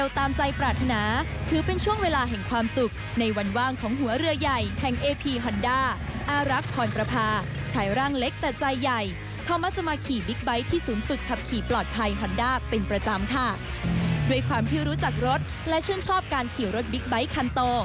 ด้วยความที่รู้จักรถและชื่นชอบการขี่รถบิ๊กไบท์คันโต